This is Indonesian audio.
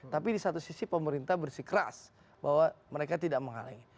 tapi di satu sisi pemerintah bersikeras bahwa mereka tidak menghalangi